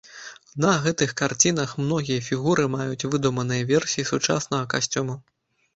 На гэтых карцінах многія фігуры маюць выдуманыя версіі сучаснага касцюму.